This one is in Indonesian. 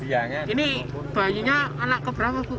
ini bayinya anak keberapa bu